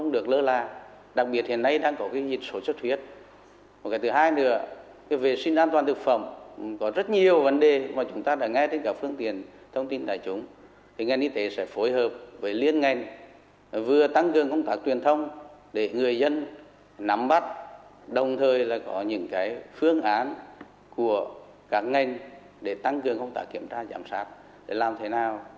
để làm thế nào thì vệ sinh an toàn thực phẩm trong những ngày tết nó được đảm bảo